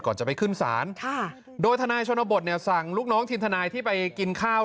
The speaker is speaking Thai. ก่อนจะไปขึ้นศาลค่ะโดยทนายชนบทเนี่ยสั่งลูกน้องทีมทนายที่ไปกินข้าว